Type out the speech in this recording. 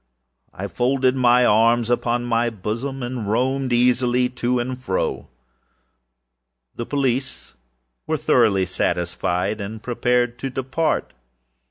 I folded my arms upon my bosom, and roamed easily to and fro. The police were thoroughly satisfied and prepared to depart.